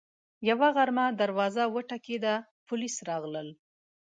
یوه غرمه دروازه وټکېده، پولیس راغلل